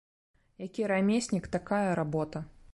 Які рамеснік ‒ такая работа